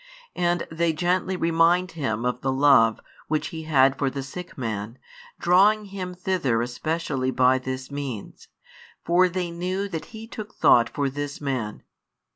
And they gently remind Him of the love which He had for the sick man, drawing Him thither especially by this means; for they knew that He took thought for this man.